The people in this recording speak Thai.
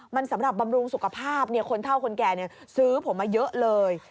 มันสำหรับบำรุงสุขภาพคนเท่าคนแก่ซื้อผมมาเยอะเลย